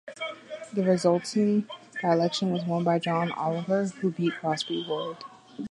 The resulting by-election was won by John Ollivier, who beat Crosbie Ward.